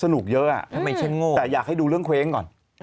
สนุกเยอะแต่อยากให้ดูเรื่องเคว้งก่อน